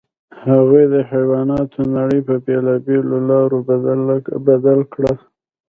هغوی د حیواناتو نړۍ په بېلابېلو لارو بدل کړه.